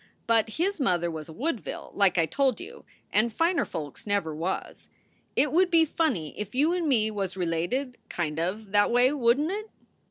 But his mother was a Woodville like I told you, and finer folks never was. It would be funny if you and me was related, kind of, that away, wouldn t it?"